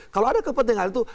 kalau ada kepentingan itu